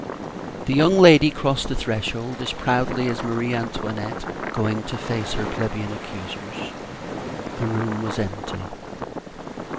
The young lady crossed the threshold as proudly as Marie Antoinette going to face her plebeian accusers. The room was empty.